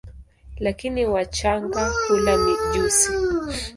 Lakini wachanga hula mijusi.